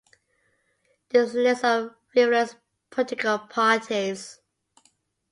This is a list of frivolous political parties.